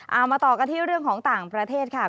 เอามาต่อกันที่เรื่องของต่างประเทศค่ะ